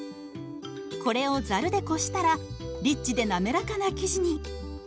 これをザルでこしたらリッチで滑らかな生地に。